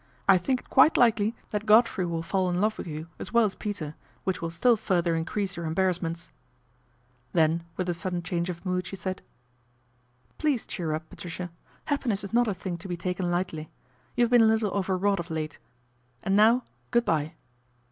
I think it quite likely that Godfre}, will fall in love with you as well as Peter, whicl will still further increase your embarrassments/ A BOMBSHELL 179 Then with a sudden change of mood she said, Please cheer up, Patricia, happiness is not a thing to be taken lightly. You have been a little overwrought of late, and now, good bye."